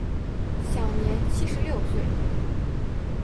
享年七十六岁。